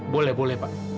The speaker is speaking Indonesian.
boleh boleh pak